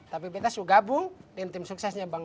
tapi kita gabung dengan tim sukses bang tisnak